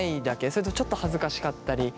それともちょっと恥ずかしかったり。